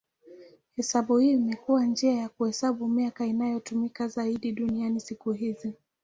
Hesabu hii imekuwa njia ya kuhesabu miaka inayotumika zaidi duniani siku hizi.